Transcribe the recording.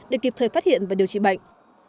để kịp thời phát hiện và điều trị bệnh